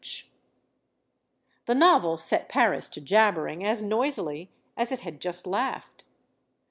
GEORGE SAND 167 The novel set Paris to jabbering as noisily as it had just laughed.